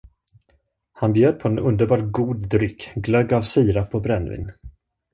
Han bjöd på en underbart god dryck, glögg av sirap och brännvin.